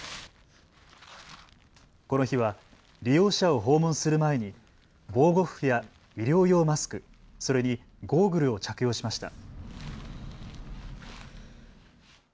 この日は利用者を訪問する前に防護服や医療用マスクそれにゴーグルを着用しました。